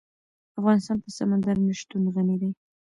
افغانستان په سمندر نه شتون غني دی.